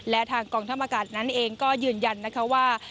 และทางกองทะมปะกาศนั้นเองก็ยืนยันว่า